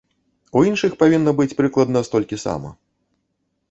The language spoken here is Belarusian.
У іншых павінна быць прыкладна столькі сама.